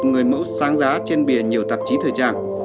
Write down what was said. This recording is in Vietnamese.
người mẫu sáng giá trên bìa nhiều tạp chí thời trang